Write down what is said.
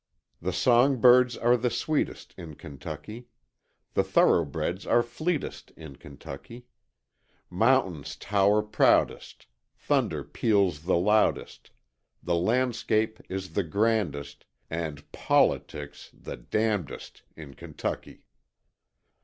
"The song birds are the sweetest In Kentucky: The thoroughbreds are fleetest In Kentucky: Mountains tower proudest, Thunder peals the loudest, The landscape is the grandest, AND POLITICS the damndest In Kentucky."